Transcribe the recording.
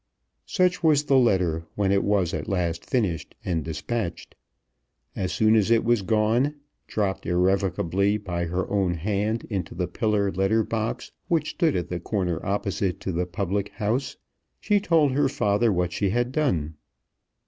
Such was the letter when it was at last finished and despatched. As soon as it was gone, dropped irrevocably by her own hand into the pillar letter box which stood at the corner opposite to the public house, she told her father what she had done.